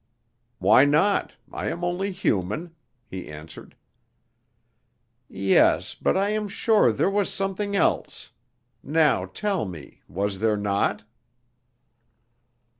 "Why not? I am only human," he answered. "Yes, but I am sure there was something else. Now tell me, was there not?"